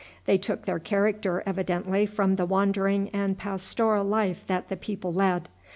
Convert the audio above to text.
They took their character evidently from the wandering and pastoral life that the people led.